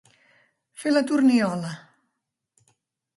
Fer la torniola.